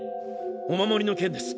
お守りの件です。